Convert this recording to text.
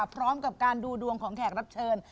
พร้อมกับการดูดวงของแขกรับเชิญ